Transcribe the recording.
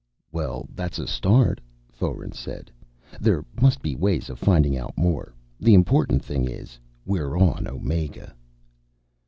"Well, that's a start," Foeren said. "There must be ways of finding out more. The important thing is, we're on Omega."